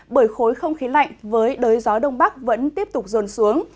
bởi khối không khí lạnh với đới gió đông bắc vẫn tiếp tục rồn xuống